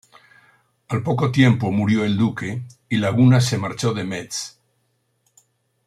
Al poco tiempo murió el duque y Laguna se marchó de Metz.